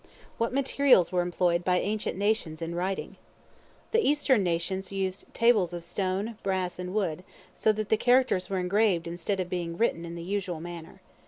What materials were employed by ancient nations in Writing? The Eastern nations used tables of stone, brass, and wood, so that the characters were engraved instead of being written in the usual manner.